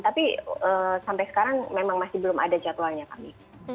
tapi sampai sekarang memang masih belum ada jadwalnya kami